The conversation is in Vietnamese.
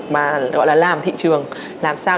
mà gọi là làm thị trường làm sao